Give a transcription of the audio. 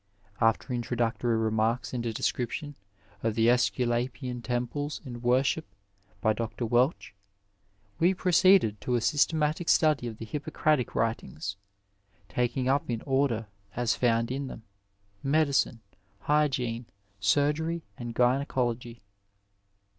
After in troductory remarks and a description of the ^culapian temples and worship by Dr. Welch, we proceeded to a sjrstematic study of the Hippocratic writings, taking up in order, as found in them, medicine, hygiene, surgery, and gynaecology.